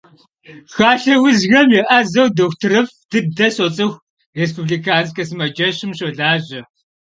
Шхалъэ узхэм еӏэзэу дохутырыфӏ дыдэ соцӏыху, республиканскэ сымаджэщым щолажьэ.